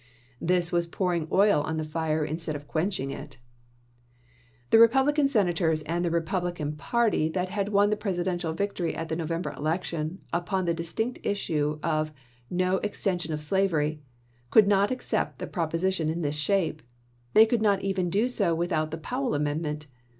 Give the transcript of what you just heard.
This was pouring oil on the fire instead of quenching it. Vol. III.— 15 226 ABRAHAM LINCOLN chap. xiv. The Republican Senators, and the Republican party that had won the Presidential victory at the November election upon the distinct issue of " no extension of slavery," could not accept the propo sition in this shape; they could not even do so without the Powell amendment.